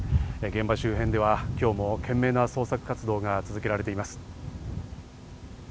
現場周辺では今日も懸命な捜索活動が続けられています。